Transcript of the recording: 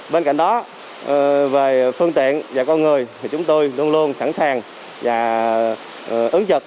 bên cạnh đó về phương tiện và con người chúng tôi luôn luôn sẵn sàng và ứng dật